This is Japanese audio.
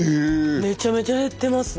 めちゃめちゃ減ってますね。